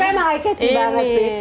emang kecik banget sih